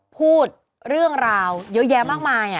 พูดเรื่องราวเยอะแยะมากมาย